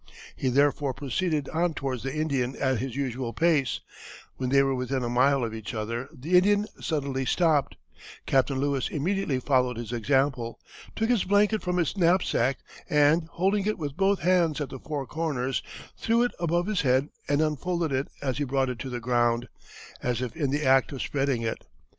He therefore proceeded on towards the Indian at his usual pace; when they were within a mile of each other the Indian suddenly stopped, Captain Lewis immediately followed his example, took his blanket from his knapsack, and holding it with both hands at the four corners, threw it above his head and unfolded it as he brought it to the ground, as if in the act of spreading it.